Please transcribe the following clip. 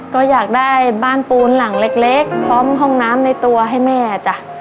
ก็อยากได้บ้านปูนหลังเล็กพร้อมห้องน้ำในตัวให้แม่จ้ะ